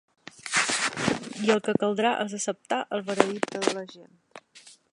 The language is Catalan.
I el que caldrà és acceptar el veredicte de la gent.